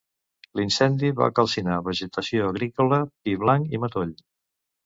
L'incendi va calcinar vegetació agrícola, pi blanc i matoll.